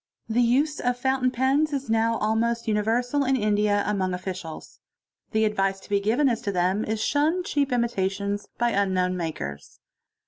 The use of fountain pens is now almost uni versal in India among officials. The advice to be given as to them is, to shun cheap imitations by unknown makers.